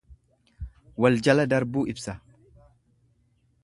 Wal jala darbuu ibsa.